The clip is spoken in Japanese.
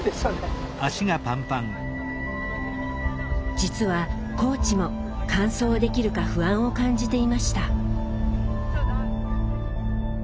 実はコーチも完走できるか不安を感じていました。